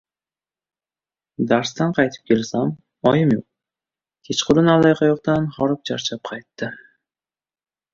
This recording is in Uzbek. Darsdan qaytib kelsam, oyim yo‘q. Kechqurun allaqayoqdan horib-charchab qaytdi.